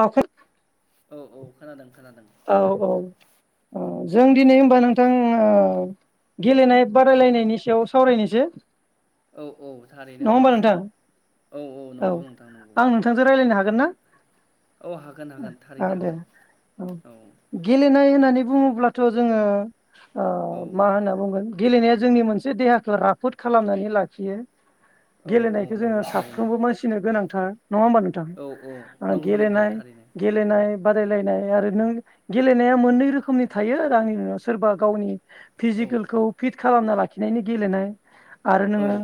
औ खु औ औ खोनादों खोनादों औ थारैनो औ जों दिनै ओ होनबा नोंथां गेलेनाय औ बादायलायनायनि सायाव सावरायनोसै। औ औ थारैनो नङा औ होमबा नोंथां औ औ नंगौ नोंथां नंगौ आं नोंथांजों [inaudible] औ हागोन हागोन औ थारैनो दे हागोन औ गेलेनाय होननानै बुङोब्लाथ' जोङो ओ औ मा होनना बुंगोन गेलेनाया जोंनि मोनसे देहाखौ राफोद खालामनानै लाखियो औ औ गेलेनायखौ जोङो नंगौ थारैनो साफ्रोमबो मानसिनो गोनां थार नङा होमबा नोंथां औ औ ओ नंगौ नंगौ गेलेनाय थारैनो गेलेनाय बादायलायनाय आरो नों गेलेनाया मोननै रोखोमनि थायो आरो आंनि उनाव सोरबा गावनि औ फिजिकेलखौ फिट खालामना लाखिनायनि गेलेनाय आरो औ नोङो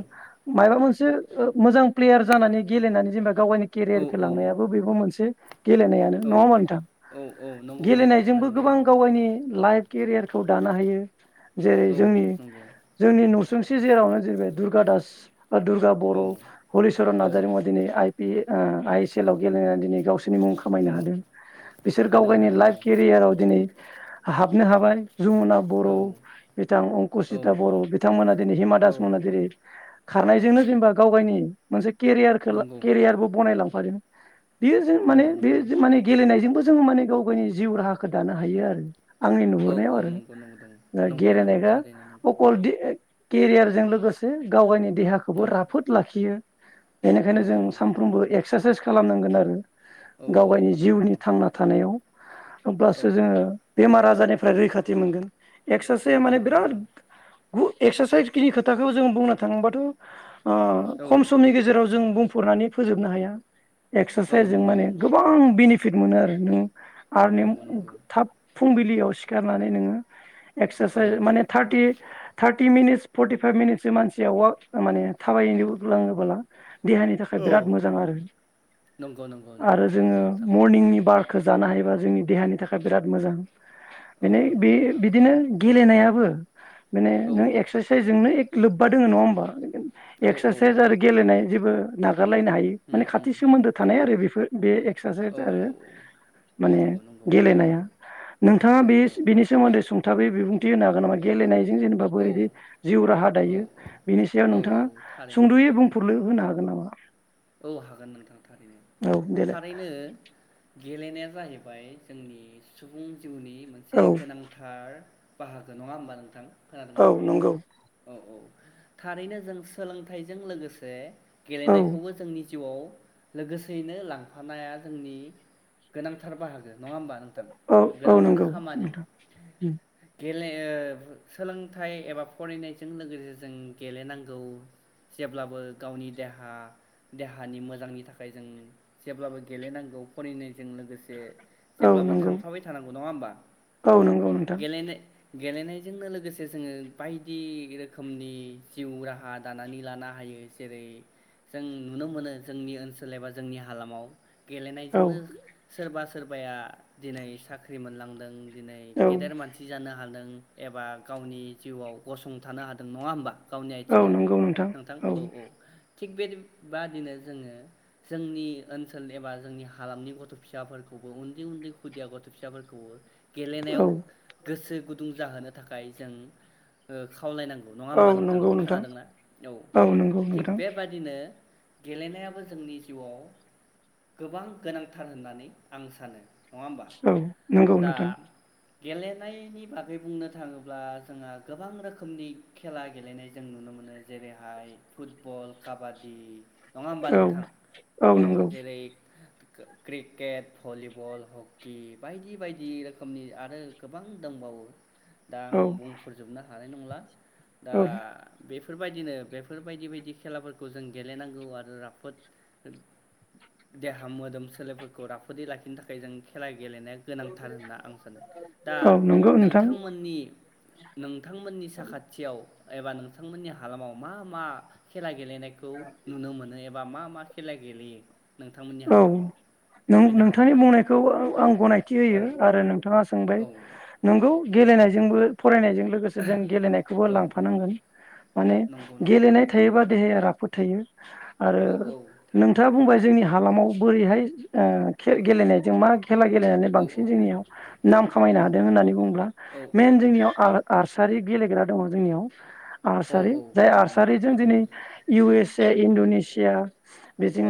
माबा मोनसे बे मोजां प्लेयार जानानै गेलेनानै जेनेबा गाव गावनि केरियारखौ औ लांनायाबो बेबो मोनसे गेलेनायानो औ नङा होनबा नोंथां औ औ नंगौ नंगौ गेलेनायजोंबो थारैनो गोबां नंगौ गाव गावनि लाइफ केरियारखौ दानो हायो जेरै औ जोंनि नंगौ जोंनि नसुंसे जेरावनो जेरैबाय दुर्गा दास दुर्गा औ बर' हलिचरन औ नार्जारि मुवा दिनै I P I S L आव गेलेनानै दिनै गावसोर नि मुं खामायनो औ हादों बिसोर गाव हादों गावनि हादों लाइफ केरियाराव दिनै हाबनो हाबाय जमुना बर' औ बिथां अंकसिता बर' औ बिथांमोना दिनै हिमा औ दास मोनहा जेरै खारनायजोंनो जेनेबा गाव गावनि मोनसे केयारखौ नंगौ केरियारबो बानायलां [unintelligible] बेयो जों औ माने बे नंगौ माने गेलेनायजोंबो जों माने गावनि जिउ राहाखौ दानो हायो आरो। आंनि औ नुहुरनायाव औ आरो नंगौ नंगौ दा नंगौ नंगौ गेलेनायखा थारैनो नंगौ अखल केरियारजों लोगोसे गावनि औ देहाखौबो राफोद लाखियो औ बेनिखायनो जों सानफ्रोमबो एक्सारसाइस खालामनांगोन आरो औ गाव औ गावनि नंगौ जिउनि नोंथां थांना थानायाव औ अब्लासो जोङो बेमार आजार रनिफ्राय रैखाथि मोनगोन। एससे औ माने बिराद नंगौ गु एक्सारसाइसखिनि खोथाखौ जों बुंनो थाङोबाथ' औ खम समनि गेजेराव जों बुं खुरनानै फोजोबनो हाया औ एक्सारसाइसजों नंगौ माने नंगौ नंगौ गोबां बेनिफिट मोनो आरो नों आरो औ ने नंगौ थाब फुंबि लियाव सिखारनानै नोङो औ एक्सारसाइ माने thirty thirty thirty minutes forty five मिनिटसो मानसिया वालक माने थाबायग्लाङोबोला देहानि थाखाय औ बिराद मोजां आरो नंगौ नंगौ नंगौ आरो नंगौ जोङो नोंथां मरनिंनि वार्क जानो हायोबा जोंनि देहानि थाखाय बिराद मोजां औ [unintelligible] नंगौ नोंथां बिदिनो गेलेनायाबो माने औ नों एक्सारसाइसजोंनो एके लोब्बा दङ नङा होमबा? औ औ औ एक्सारसाइस आरो गेलेनाय जेबो नागारलायनो हायो उम मान उम खाथि सोमोन्दो थानाय आरो बेफोर बे एक्साराइज औ औ आरो माने औ नंगौ गेलेनाया नोंथाङा औ बे बिनि सोमोन्दै सुं थाबै बिबुंथि होनो हागोन नामा गेलेनाय, जेनेबा औ ओै जिउ राहा औ दायो बिनि सायाव औ औ नोंथाङा थारैनो सुंद'यै बुंफुरल होनो हागोन। नामा? औ हागोन नोंथां थारैनो औ देलाय थारैनो गेलेनाया जाहैबाय जोंनि सुबुं जिउनि मोनसे औ गोनांथार बाहागो नङा होमबा नोंथां औ खोनादोंना नंगौ औ औ थारैनो जों सोलोंथाइजों लोगोसे औ गेलनाय जोंनि जिउआव लोगोसेयैनो लांफानाया जोंनि गोनांथार बाहागो नङा होमबा नों औ औ नंगौ नोंथां गेले ओ सोलोंथाइ एबा फरायनायजों लोगोसे जों गेलेनांगौ जेब्लाबो गावनि देहा देहानि मोजांनि थाखाय जों जेब्लाबो गेलेनांगौ फरायनायजों लोगोसे औ जेब्लाबो नंगौ थांफाबाय थानांगौ नङा होमबा औ नंगौ नोंथां गेलेनो? गेलेनायजोंनो लोगोसे जोङो बायदि रोखोमनि जिउ राहा दानानै लानो हायो जेरै जों नुनो मोनो जोंनि ओनसोल एबा जोंनि हालामाव औ गेलेनायजोंनो सोरबा सोरबाया दिनै साख्रि मोनलांदों नों दिनै औ गेदेर मानसि जानो हादों एबा गावनि जिउआव गसंथानो हादों नङा होमबा? गावनि आथिङाव नोंथां औ औ थिग बेबायदि थिग बेबादिनो जोङो जोंनि ओनसोल एबा जोंनि हालामनि गथ' फिसाफोरखौबो उन्दै उन्दै खुदिया गथ' फिसाफोरखौबो गेलेनायाव औ गोसो गुदुं गुदुं जाहोनो थाखाय जों खावलायनांगौ नङा औ होमबा नोंथां नंगौ खोनादोंना औ नंगौ थिग नोंथां बेबादिनो गेलेनायाबो जोंनि जिउआव गोबां गोनांथार होननानै आं सानो नङा होमबा औ नंगौ दा नोंथां गेलेनायनि बागै बुंनो थाङोब्ला जोंहा गोबां रोखोमनि खेला गेलेनाय जों नुनो मोनो जेरैहाय फुटबल काबादि दि नङा होमबा औ नोंथां औ जेरै क्रिकेट भलिबल हकि बायदि बायदि रोखोमनि आरो गोबां दंबावो दा आं औ बुंफोरजोबनो हानाय नंला। दा औ बे बेफोरबायदिनो बेफोरबायदि बायदि खेलाफोरखौ खौ जों गेलेनांगौ आरो राफोद देहा मोदोम सोलेरफोरखौ राफोदै लाखिनो थाखाय जों खेला गेलेनाया गोनांथार होनना आं सानो दा औ नंगौ नोंथां नोंथांमोननि नोंथांमोननि साखाथियाव एबा नोंथांमोननि हालामाव मा मा खेला गेलेनाय खौ नुनो मोनो एबा मा मा? खेला गेलेयो नोंथांमोननि औ हालामाव नों फोरमायनो हागोन नोंथांनि ना बुंनायखौ आं गनायथि औ होयो आरो नोंथाङा सोंबाय औ नोंगौ औ गेलेनायजोंबो फरायनायजों लोगोसे जों गेलेनायखौबो औ औ लांफानांगोन नंगौ नंगौ गेलेनाय थायोबा देहाया राफोद राफोद थायो आरो औ औ थारैनो नोंथाङा बुंबाय जोंनि हालामाव बोरैहाय ओ खेल गेलेनायजों मा? खेला गेलेनानै औ औ बांसिन जोंनियाव नाम खामायनो औ हादों होननानै बुङोब्ला औ मेन जोंनियाव औ ओ आरसा सारि गेलेग्रा दङ जोंनियाव औ आर्सारि औ जाय थारैनो आर्सारिजों औ दिनै इउ एस जे इण्ड'नेसिया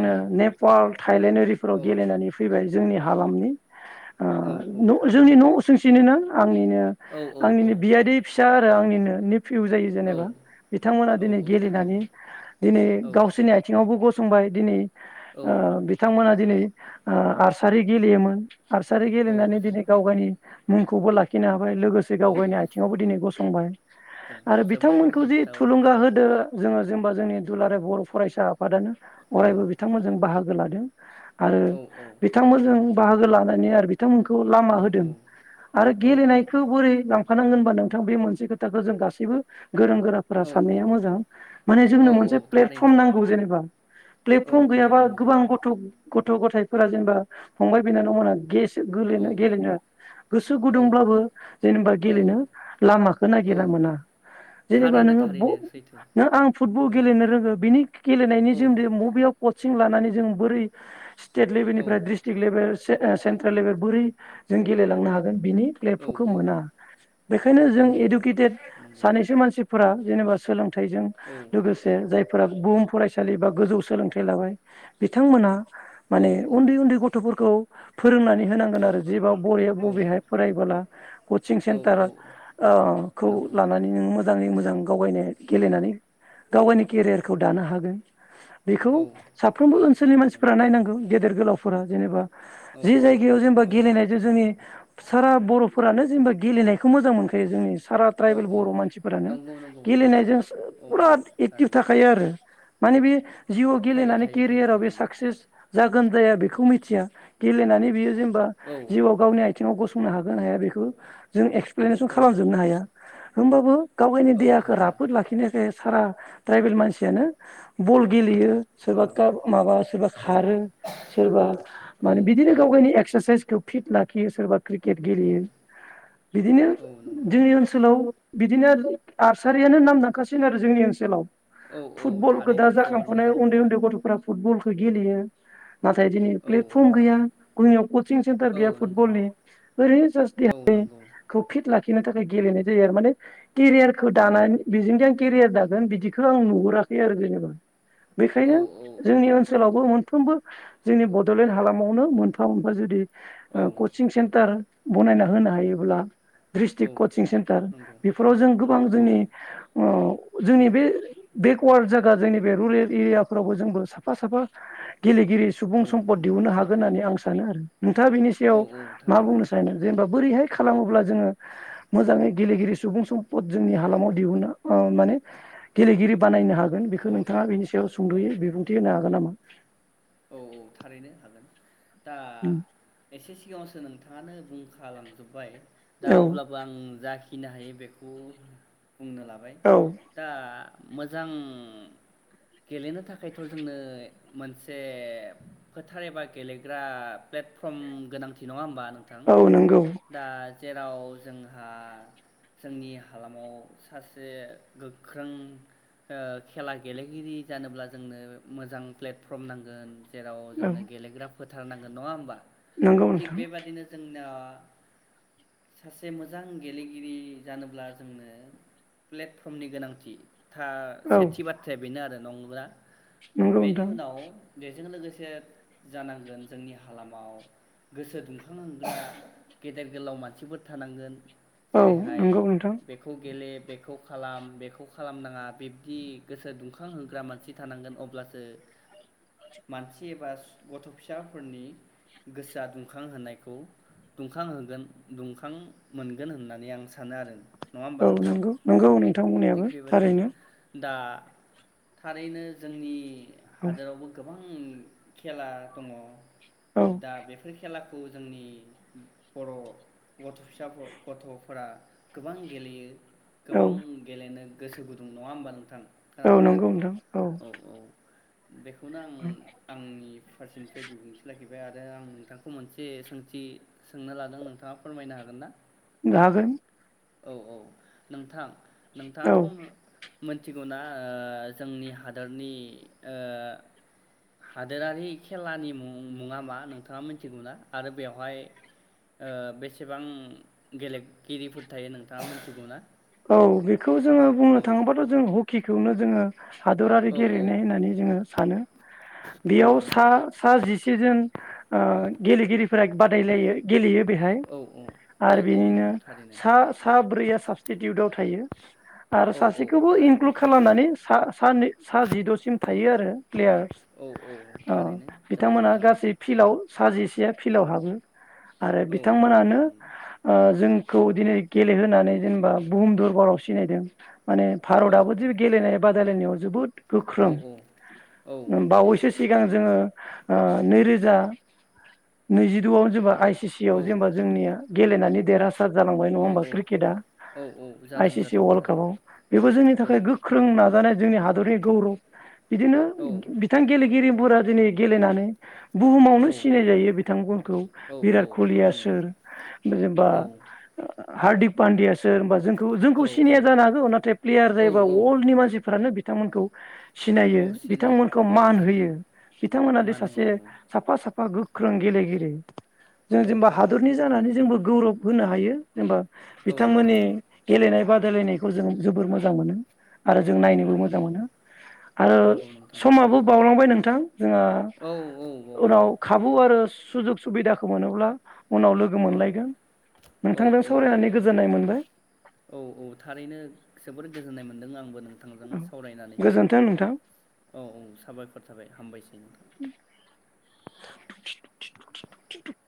औ ने पाल थाइलण्ड आरिफोराव औ गेलेनानै फैबाय जोंनि हालामनि ओ औ औ न जोंनि थारैनो न' उसुंसेनि नो आंनि औ औ औ आंनिनो बियादै फिसा आंनिनो निप फिउ जायो औ जेनेबा बिथांमोना औ दिनै औ गेलेनानै थारैनो दिनै औ गावसोरनि आथिंआवबो गसं संबाय दिनै औ ओ बिथांमोना दिनै ओ आर्सारि गेलेयोमोन आरसारि गेलेनानै जो- दिनै गाव गायनि मुंखौबो लाखिनो हा लोगोसे औ गाव गावनि आथिङावबो दिनै गसंबाय औ आरो जोबोर बिथांमोनखौ मोजां जि खोथा औ थुलुंगा होदो जोङो जेनेबा जोंनि दुलाराय बर' फरायसा आफादानो औ अरायबो बिथांमोन बाहागो लादों आरो औ औ बिथांमोनजों बाहागो लानानै आरो बिथांमोनखौ लामा औ होदों आरो औ गेलेनायखौ बोरै लांफा फानांगोन होनबा नोंथां बे मोनसे खोथाखौ जों गासैबो गोरों गोराफोरा साननाया मोजां माने औ जोंनो औ मोनसे प्लेटफर्म थारैनो नांगौ जेनेबा औ प्लेटफर्म औ गैयाबा नंगौ गोबां गथ' गथ' गथाइफोरा जेनेबा फंबाय बिनानाव मोना गेस औ गेलेनो गोसो औ गुदुंब्लाबो जेनेबा गेलेनो औ लामाखौ औ नागिरा मोना जेनेबा थारैनो नोङो थारैनो सैथो आं फुटबल औ गेलेनो रोंङो बिनि गेलेनायनि औ जों बबेयाव कचिं लानानै जों बोरै सिटेट औ लेभेलनिफ्राय डिस्ट्रिक लेभेल सेन्ट्रेल लेभेल बोरै जों गेलेलांनो हागोन बिनि औ प्लेटफार्मखो औ मोना बेखायनो औ जों मोना मोना इडुकेटेड नंगौ सानैसो मानसिफोरा जेनेबा सोलों थाइजों औ लोगोसे जाय फोरा बुहुम फरायसालि बा गोजौ सोलोंथाइ फैलाबाय बिथांमोना औ माने उन्दै उन्दै गथ'फोरखौ फोरोंनानै होनांगोन आरो जिबाव बबे औ बबेहाय फरायबोला कचिं औ सेन्टार औ ओ खौ नंगौ लानानै नोङो मोजां जाङै मोजां गावगायनो गेलेनानै गाव गायनि केरियारखौ दानो हागोन। बेखौ औ औ फ्रोमबो औ ओनसोलनि मानफोरा नंगौ नांगो गे देर गोलावफोरा जेनेबा औ जि जायगायाव जेनबा औ गेलेनायजों जोंनि सारा बर'फोरानो जेनबा गेलेनायखौ मोजां मोनखायो जोंनि सारा औ ट्राइबेल औ बर' मानसिफोरानो नंगौ नंगौ गेलेनायजोंसो औ औ फुराद एकटिभ थारैनो थाखायो आरो माने बे जि थायो गेलेनानै थायो थायो केरियाराव बे थारैनो साक्सेस जागोन जाया बेखौ मिथिया गेलेनानै बियो जों बा औ जिउआव गावनि आंथिंआव गस बुंनो हागोन ना हाया बेखौ जों इक्स प्लेनेसन औ खालामजोबनो हाया होम बाबो गाव गायनि औ देहाखौ हाया राफोद लाखिनायखो एस सारा ट्राइबेल मानसियानो बल गेलेयो औ सोरबा खा माबा सोरबा औ खारो सोरबा औ माने बिदिनो गाव नंगौ गायनि एक्सारसाइसखौ फिथ लाखियो सोरबा क्रिकेट औ गेलेयो बिदिनो औ नंगौ जोंनि नंगौ ओनसोलाव बिदिनो आर्सारियानो नाम दांखासिन आरो जोंनि ओनसोलाव औ औ फुटबलखौ थारैनो दा जोबोर जाखांफुनाय उन्दै मोजां उन्दै गथ'फोरा फुटबलखो गेलेयो नाथाय दिनै औ प्लेटफर्म नंगौ गैया जोंयाव कचिं सेन्टार औ गैया नंगौ फुटबलनि ओरै जास औ नंगौ देहानिखौ फिट लाखि नो थाखाय गेलेनाय जायो आरो माने केरियारखौ दानानै बेजोंदि आं केरियार दागोन बिदिखौ आं नुहुराखै आरो जेनेबा औ बेखायनो औ जोंनि औ ओनसोलावबो मोन फ्रोमबो जोंनि बड'लेण्ड हालामावनो मोनफा मोनफा जुदि औ ओ कचिं सेन्टार बनायना होनो हायोब्ला औ डिस्ट्रिक कचिं सेन्टार नंगौ बेफोराव जों गोबां औ जोंनि जोंनि बे बे वार्ल्ड जागा जोंनि बे [unintelligible] एरियाफ्रावबो जोंबो साफा साफा गेलेगिरि सुबुं औ सम्पद नंगौ दिहुननो हागोन होननानै आं सा सानो आरो नोंथाङा बिनि सायाव औ औ मा थारैनो बुंनो सानो जेनेबा बोरैहाय खालामोब्ला जोङो मोजाङै गेलेगिरि सुबुं सम्पद जोंनि हालामाव दिहुनो ओ माने गेलेगिरि बानायनो हागोन बेखौ औ औ नोंथाङा [unintelligible] औ सुंद'यै औ बिबुंथि होनो हागोन नामा? औ औ थारैनो हागोन दा एसे सिगाङाव सो नों नोंथाङानो बुंखालांजोबबाय दा औ अब्लाबो आं जाखि फिनो हायो बेखौ बुंनो लाबाय औ दा मोजां गेलेनो थाखायथ' जोंनो मोनसे फोथार एबा गेलेग्रा प्लेटफर्म गोनांथि नङा होमबा? नोंथां औ नंगौ दा जेराव जोंहा जोंनि हालामाव सासे गोख्रों खेला गेलेगिरि जानोब्ला जोंनो मोजां प्लेटफर्म नांगोन। जेराव औ जोंनो गेलेग्रा फोथारनांगोन नङा होनोनबा नंगौ थिग नोंथां बेबादिनो जों ओ सासे मोजां गेलेगिरि जानोब्ला जोंनो प्लेटफर्मनि गोनांथि था औ सेथि बाथ्राया बेनो आरो [unintelligible] नंगौ बेनि नोंथां उनाव जे बेजों लोगोसे जानांगोन जोंनि हालामाव गोसो दुंखांनांगोन गेदेर गोलाव मानसिफोर थानांगोन औ जेरैहाय नंगौ नोंथां बेखौ गेले बेखौ खालाम बेखौ खालामनाङा बिब्दि गोसो दुंखां होग्रा मानसि थानांगोन अब्लासो मानसि एबा गथ' फिसाफोरनि गोसोआ दुंखां होनायखौ दुंखांहोगोन दुंखां मोनगोन होननानै आं सानो आरो। नङा होमबा औ नोंथां नंगौ नंगौ नोंथां थिग बुंनायाबो बेबादिनो थारैनो दा थारैनो जोंनि औ हादोरावबो गोबां खेला दङ औ दा बेफोर खेला खौ जोंनि बर' गथ' फिसाफोर गथ'फोरा गोबां गेलेयो औ गोबां गेलेनो गोसो गुदुं नङा होमबा नोंथां? औ खोनादोंना नंगौ नोंथां औ बे खौनो आं आंनि फार्सेनिफ्राय बिबुंथि लाखिबाय आरो आं नोंथांखौ मोनसे सोंथि सोंनो लादों नोंथाङा फोरमायनो हागोन ना बुंनो हागोन औ औ नोंथां औ नोंथाङाथ' मोनथिगौ ना जोंनि हादरनि हादोरारि खेलानि मुं मुङा मा नोंथाङा मिथिगौ ना आरो बेवहाय बेसेबां गेले गेलेगिरिफोर थायो नोंथाङा मोनथिगौ [unintelligible] औ बि खौ जोङो बुंनो थाङोब्लााथ' जों हकि खिखौनो जोङो हादरारि औ औ गेलेनाय होननानै जोङो सानो बेयाव नंगौ सा नंगौ सा जि जोन ओ गेलेगिरिफोरा बादायलायो गेलेयो बेहाय औ औ औ आरो औ बिनिनो नंगौ थारैनो सा साब्रैया साबसिन टिउदाव थायो आरो औ औ सासेखौबो थारैनो इनक्लुड खालामनानै सा सा जिद'सिम थायो आरो प्लेयार्स औ औ थारैनो जोबोर बिथांमोनहा मोजां गासै फिल्डआव साजेसेया फिल्डआव हाबो आरो औ औ नंगौ बिथांमोनानो नंगौ जों खौ दिनै गेलेहोनानै जेनेबा बुहुम दरबाराव सिनायदों माने भारत औ आबो औ दिनै गेलेनाय बादायलायनाय जोबोद औ गोख्रों औ बावैसो सिगां जोङो ओ नैरोजा नैजिद'आवनो जोंबा आइस टिसि आव जेनेबा जोंनिया गेलेनानै देरहासार सात जालांबाय नङा औ होमबा क्रिकेटा औ औ आइ जादों सि सि जादों वर्ल्ल्ड थारैनो कापाव बेबो जोंनि औ थाखाय गोख्रों नाजानाय जोंनि हादरनि गौरब बिदिनो औ बिथां गेलेगिरि फोरा दिनै गेलेनानै औ बुहुमावनो सिनायजायो बिथांमोनखौ औ बिराट औ कलिया नंगौ सोर जेनबा औ हार्दिक पान्डेया सोर होनोबा जों जोंखौ औ सिनाया औ जानो हागौ नाथाय प्लेयार औ जायोबा औ वर्ल्डनि मानसिफ्रानो बिथांमोनखौ सिनायो औ सिनायो बिथांमोनखौ औ औ मान होयो सिनायो बिथांमोनादि मान होयो सासे साफा साफा गोख्रों गेलेगिरि जों औ जेनेबा औ हादरनि जानानै थारैनो जोंबो गौरब होननो हायो जेनेबा औ बिथांमोननि गेलेनाय बादायलायनायखौ जों जोबोर मोजां मोनो आरो जों औ नायनोबो औ मोजां नंगौ मोनो आरो नंगौ नोंथां नंगौ समाबो बावलांबाय नोंथां जोंहा औ औ बावबाय उनाव खाबु आरो सुजुग सुबिदाखौ मोनोब्ला उनाव लोगो औ मोनलायगोन औ नोंथांजों औ सावरायनानै नोंथां गोजोननाय मोनबाय औ औ थारैनो जोबोर गोजोननाय मोनदों आंबो नों बिथांजों औ सावरायनानै गोजोन्थों नोंथां औ औ साबायखर थाबाय हामबायसै नोंथां उम [unintelligible]